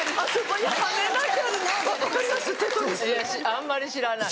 あんまり知らない。